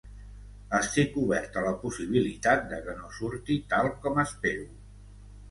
Estic obert a la possibilitat de que no surti tal com espero.